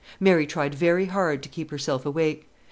Mary tried very hard to keep herself awake.